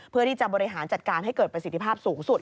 เพื่อที่จะบริหารจัดการให้เกิดประสิทธิภาพสูงสุด